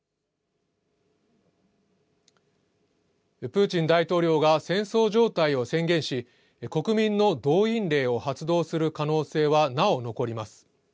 プーチン大統領が戦争状態を宣言し、国民の動員令を発動する可能性はなお残ります。